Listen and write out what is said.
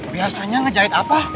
biasanya ngejahit apa